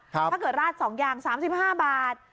ถ้าเกิดราด๒อย่าง๓๕บาท